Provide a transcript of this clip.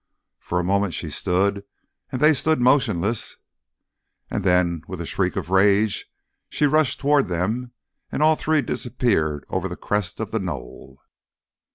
For a moment she stood and they stood motionless, and then with a shriek of rage, she rushed towards them, and all three disappeared over the crest of the knoll.